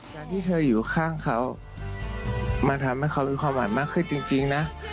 การที่เธออยู่ข้างเขามันทำให้เขามีความหวังมากขึ้นจริงนะ